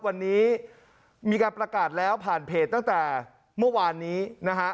วันนี้มีการประกาศแล้วผ่านเพจตั้งแต่เมื่อวานนี้นะฮะ